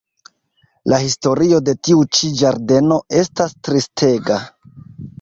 La historio de tiu ĉi ĝardeno estas tristega.